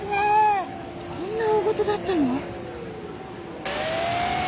こんな大ごとだったの。